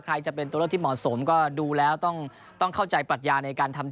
ใครจะเป็นตัวเลือกที่เหมาะสมก็ดูแล้วต้องเข้าใจปรัชญาในการทำ